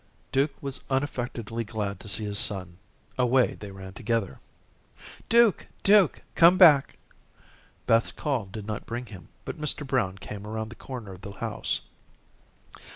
Duke was unaffectedly glad to see his son. Away they ran together. "Duke, Duke, come back." Beth's call did not bring him, but Mr. Brown came around the corner of the house.